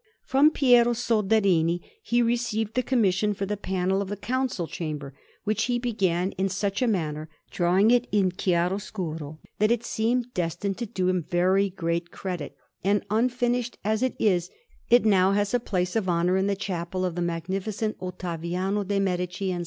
From Piero Soderini he received the commission for the panel of the Council Chamber, which he began in such a manner, drawing it in chiaroscuro, that it seemed destined to do him very great credit; and, unfinished as it is, it now has a place of honour in the Chapel of the Magnificent Ottaviano de' Medici, in S.